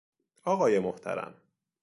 آقای محترم